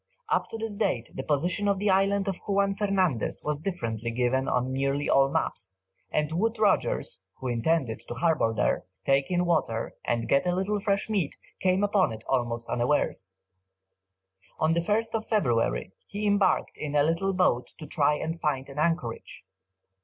Up to this date the position of the island of Juan Fernandez, was differently given on nearly all maps, and Wood Rogers, who intended to harbour there, take in water, and get a little fresh meat, came upon it almost unawares. On the 1st February, he embarked in a little boat to try and find an anchorage.